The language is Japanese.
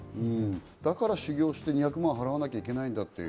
だから修行して２００万払わなきゃいけないんだという。